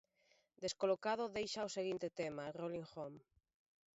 Descolocado deixa o seguinte tema, Rollin Home.